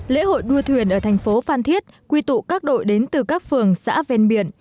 lễ hội đua thuyền ở thành phố phan thiết quy tụ các đội đến từ các phường xã ven biển